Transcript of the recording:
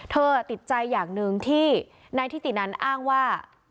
ติดใจอย่างหนึ่งที่นายทิตินันอ้างว่า